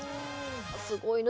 すごいな。